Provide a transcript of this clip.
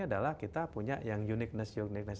adalah kita punya yang uniqueness uniqueness